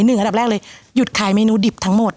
อันดับแรกเลยหยุดขายเมนูดิบทั้งหมด